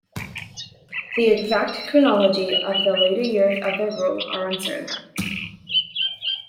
The exact chronology of the later years of their rule are uncertain.